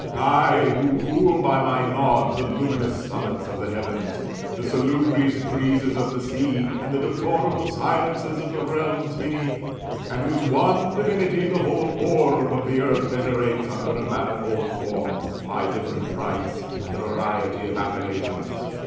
I, who rule by my nod the luminous summits of the heavens, the salubrious oreezes of the sea, and the deplorable silences of the GOU>SN ASS, OF APULSIUS. — BOOK XI. 1 95 realms beneath : and whose one divinity the whole orb of the earth venerates under a manifold form, by different rites, and a variety of appellations.